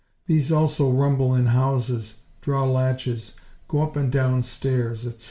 These also rumble in houses, drawe latches, go up and down staiers," etc.